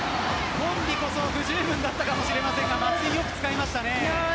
コンビこそ不十分だったかもしれませんが松井がよく使いました。